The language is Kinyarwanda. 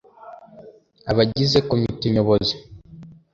abagize Komite Nyobozi